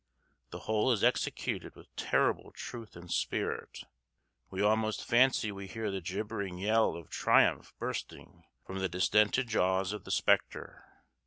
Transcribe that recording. The whole is executed with terrible truth and spirit; we almost fancy we hear the gibbering yell of triumph bursting from the distended jaws of the spectre.